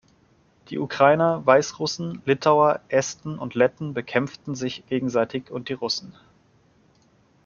Die Ukrainer, Weißrussen, Litauer, Esten und Letten bekämpften sich gegenseitig und die Russen.